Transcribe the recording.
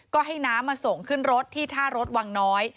ก็ให้น้ำมาส่งขึ้นรถที่ท่ารถวังน้อย